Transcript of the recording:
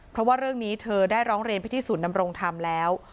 เพราะว่าเรื่องนี้เธอได้ร้องเรียนไปที่ศูนย์นำรงธรรมแล้ว